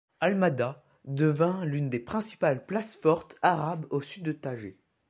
Almada devint l'une des principales places fortes arabes au sud du Tage.